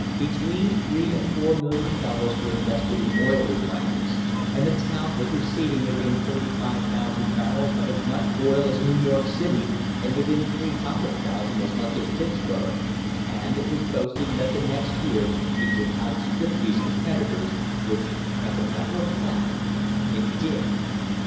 Between three and four million dollars were invested in oil refineries, and the town was receiving within 35,000 barrels of as much oil as New York City, and within 300,000 as much as Pittsburg, and it was boasting that the next year it would outstrip these competitors, which, as a matter of fact, it did.